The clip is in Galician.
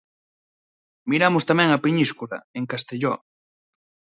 Miramos tamén a Peñíscola, en Castelló.